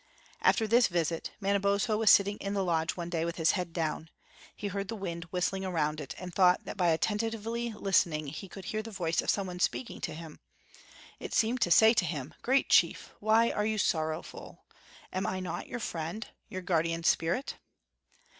After this visit, Manabozbo was sitting in the lodge one day with his head down. He heard the wind whistling around it, and thought that by attentively listening he could hear the voice of some one speaking to him. It seemed to say to him: "Great chief, why are you sorrowful? Am not I your friend your guardian spirit?"